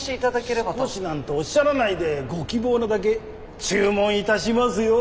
「少し」なんておっしゃらないでご希望なだけ注文いたしますよ！